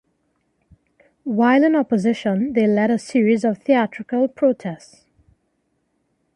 While in opposition they led a series of theatrical protests.